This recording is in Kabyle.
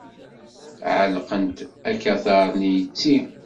Ɛellqent akatar-nni yetti.